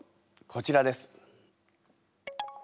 こちらです。